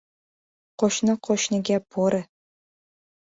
• Qo‘shni qo‘shniga — bo‘ri.